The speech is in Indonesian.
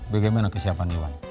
bagaimana kesiapan iwan